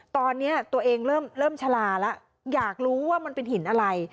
ตอนนี้ตัวเองเริ่มชะลาแล้วอยากรู้ว่ามันเป็นหินอะไร